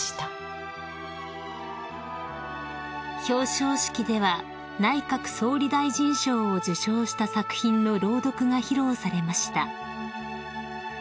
［表彰式では内閣総理大臣賞を受賞した作品の朗読が披露されました］